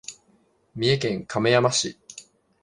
三重県亀山市